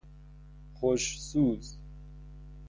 خوش سوز